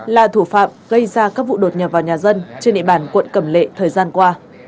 là thủ phạm gây ra các vụ đột nhập vào nhà dân trên địa bàn quận cẩm lệ thời gian qua